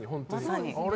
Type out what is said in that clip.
あれ？